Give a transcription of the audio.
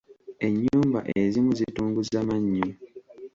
Ennyumba ezimu zitunguza mannyo.